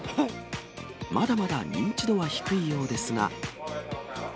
まだまだ認知度は低いようですが。